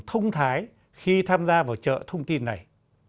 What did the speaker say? thông thái khi tham gia vào chợ thông tin này